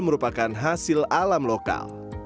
merupakan hasil alam lokal